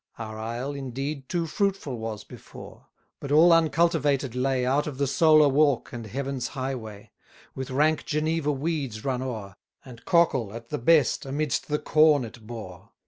Our isle, indeed, too fruitful was before; But all uncultivated lay Out of the solar walk and Heaven's highway; With rank Geneva weeds run o'er, And cockle, at the best, amidst the corn it bore.